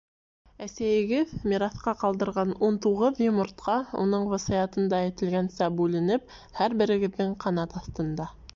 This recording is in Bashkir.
— Әсәйегеҙ мираҫҡа ҡалдырған ун туғыҙ йомортҡа, уның васыятында әйтелгәнсә бүленеп, һәр берегеҙҙең ҡанат аҫтында.